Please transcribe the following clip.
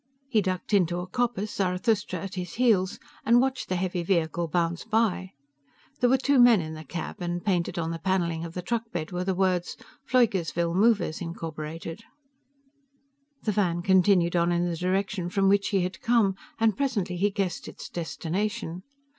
He ducked into a coppice, Zarathustra at his heels, and watched the heavy vehicle bounce by. There were two men in the cab, and painted on the paneling of the truckbed were the words, PFLEUGERSVILLE MOVERS, INC. The van continued on in the direction from which he had come, and presently he guessed its destination.